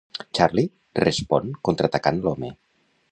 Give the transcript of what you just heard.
Charlie respon contraatacant l'home.